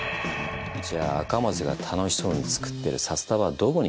じゃあ赤松が楽しそうに作ってる札束はどこに消えた？